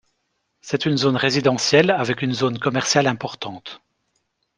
C'est une zone résidentielle avec une zone commerciale importante.